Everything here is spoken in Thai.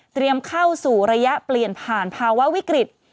เข้าสู่ระยะเปลี่ยนผ่านภาวะวิกฤต